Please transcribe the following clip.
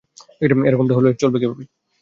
এরকমটা হলে কীভাবে চলবে?